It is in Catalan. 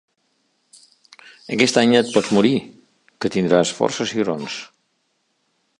Aquest any ja et pots morir, que tindràs força cigrons.